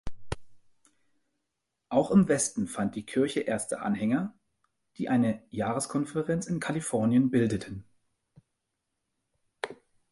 Auch im Westen fand die Kirche erste Anhänger, die eine Jahreskonferenz in Kalifornien bildeten.